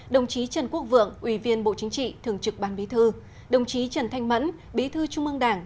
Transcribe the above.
đồng chí trần quốc vượng ủy viên bộ chính trị thường trực ban bí thư đồng chí trần thanh mẫn bí thư trung ương đảng